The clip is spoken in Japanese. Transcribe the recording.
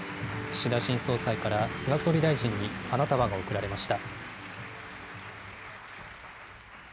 岸田新総裁から菅総理大臣に花束が贈られました。